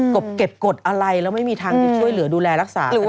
กบเกดกดอะไรแล้วไม่มีทางที่ช่วยเหลือดูแลรักษากันเลย